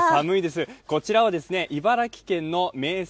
こちらは茨城県の名産